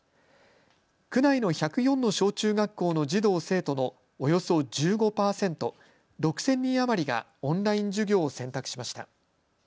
区内の１０４の小中学校の児童生徒のおよそ１５％、６０００人余りがオンライン授業を選択しました。